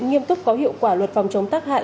nghiêm túc có hiệu quả luật phòng chống tác hại